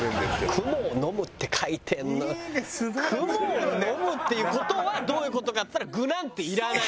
「雲を呑む」っていう事はどういう事かっつったら具なんていらない。